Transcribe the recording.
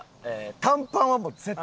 短パンはもう絶対これ。